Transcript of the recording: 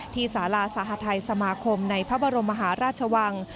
ที่สาราศาธัยสมาคมในพระบรมหาราชวัง